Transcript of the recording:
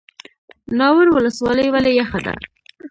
ناور ولسوالۍ ولې یخه ده؟